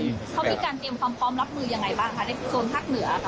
เขามีการเตรียมความพร้อมรับมือยังไงบ้างคะในโซนภาคเหนือ